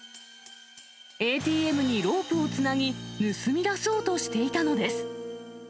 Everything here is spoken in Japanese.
ＡＴＭにロープをつなぎ、盗み出そうとしていたのです。